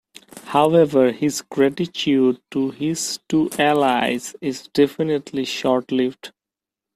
However, his gratitude to his two allies is definitely short-lived.